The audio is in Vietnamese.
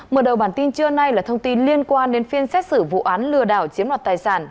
mở đầu bản tin trưa nay là thông tin liên quan đến phiên xét xử vụ án lừa đảo chiếm đoạt tài sản